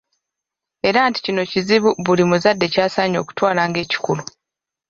Era nti kino kizibu buli muzadde ky’asaanye okutwala ng’ekikulu.